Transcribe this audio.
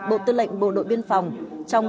bộ tư lệnh bộ đội biên phòng